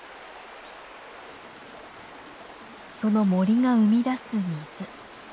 その森が生み出す水。